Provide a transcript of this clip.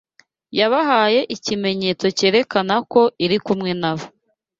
yabahaye ikimenyetso cyerekana ko iri kumwe na bo.